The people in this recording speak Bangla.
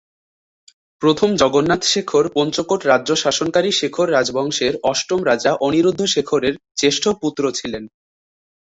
প্রথম জগন্নাথ শেখর পঞ্চকোট রাজ্য শাসনকারী শেখর রাজবংশের অষ্টম রাজা অনিরুদ্ধ শেখরের জ্যেষ্ঠ পুত্র ছিলেন।